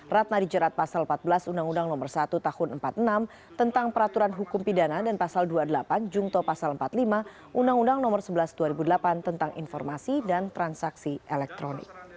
ratna dijerat pasal empat belas undang undang nomor satu tahun seribu sembilan ratus empat puluh enam tentang peraturan hukum pidana dan pasal dua puluh delapan jungto pasal empat puluh lima undang undang nomor sebelas dua ribu delapan tentang informasi dan transaksi elektronik